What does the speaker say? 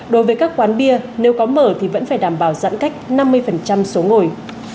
đối với các quán bia nếu có mở thì vẫn phải đảm bảo giãn cách năm mươi số ngồi